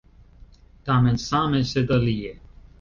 Tamen same, sed alie!